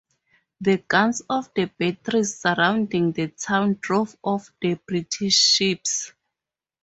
The guns of the batteries surrounding the town drove off the British ships.